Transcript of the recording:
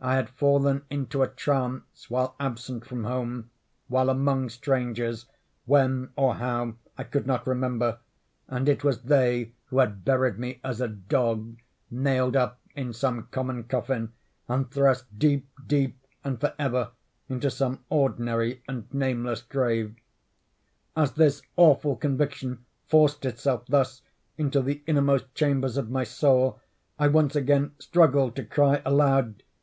I had fallen into a trance while absent from home—while among strangers—when, or how, I could not remember—and it was they who had buried me as a dog—nailed up in some common coffin—and thrust deep, deep, and for ever, into some ordinary and nameless grave. As this awful conviction forced itself, thus, into the innermost chambers of my soul, I once again struggled to cry aloud.